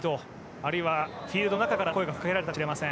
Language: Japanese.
あるいは、フィールドの中から声がかけられたかもしれません。